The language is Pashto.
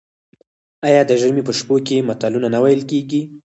آیا د ژمي په شپو کې متلونه نه ویل کیږي؟